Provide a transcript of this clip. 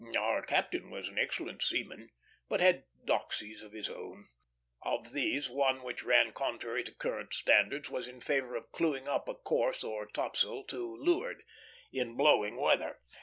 Our captain was an excellent seaman, but had 'doxies of his own. Of these, one which ran contrary to current standards was in favor of clewing up a course or topsail to leeward, in blowing weather.